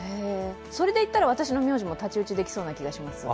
それでいったら私の名字も太刀打ちできそうな気がします。